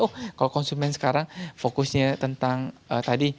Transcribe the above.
oh kalau konsumen sekarang fokusnya tentang tadi